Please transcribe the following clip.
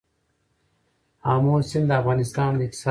آمو سیند د افغانستان د اقتصاد برخه ده.